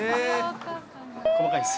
細かいっす。